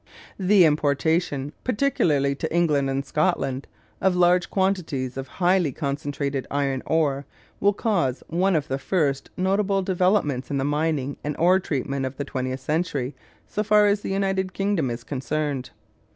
The importation particularly to England and Scotland of large quantities of highly concentrated iron ore will cause one of the first notable developments in the mining and ore treatment of the twentieth century so far as the United Kingdom is concerned.